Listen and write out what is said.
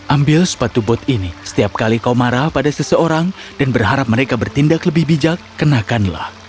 ambil sepatu bot ini setiap kali kau marah pada seseorang dan berharap mereka bertindak lebih bijak kenakanlah